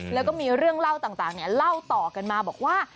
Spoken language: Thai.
แล้วก็มีเรื่องเล่าต่างเล่าต่อกันมาบอกว่า